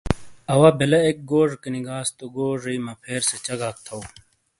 اَوا بَلہ اِک گوجیکینی گاس تو گوجیئی مَپھیر سے چَگاک تھو ۔